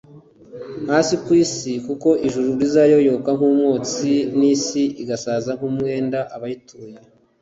hasi ku isi kuko ijuru rizayoyoka nk umwotsi n n isi igasaza nk umwenda o abayituye